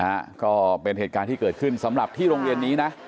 น่าจะเป็นรุ่นตารุ่นอะไรแล้ว